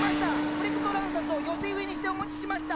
プレクトランサスを寄せ植えにしてお持ちしました！